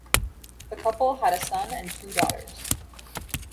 The couple had a son and two daughters.